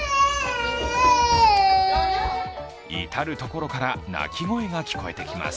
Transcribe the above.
至る所から泣き声が聞こえてきます。